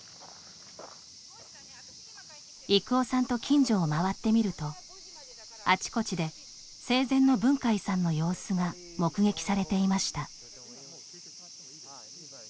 郁夫さんと近所を回ってみるとあちこちで生前の文海さんの様子が目撃されていました。